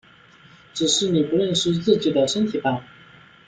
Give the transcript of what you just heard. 只是你不认识自己的身体吧！